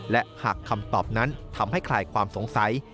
และหากคำตอบนั้นทำให้คลายความสงสัย